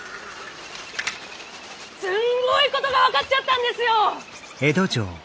すんごいことが分かっちゃったんですよっ！